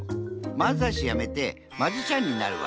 まんざいしやめてマジシャンになるわ。